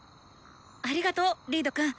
ありがとうリードくん。